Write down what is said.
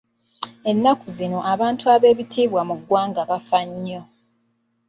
Ennaku zino abantu ab'ebitiibwa mu ggwanga bafa nnyo.